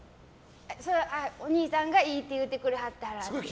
お兄さんがいいって言うてくれはったら。